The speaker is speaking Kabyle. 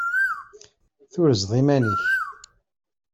Turzeḍ iman-ik.